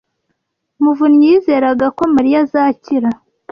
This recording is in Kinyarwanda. muvunyi yizeraga ko Mariya azakira.